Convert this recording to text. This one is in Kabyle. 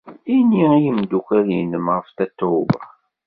Ini i yimeddukal-nnem ɣef Tatoeba.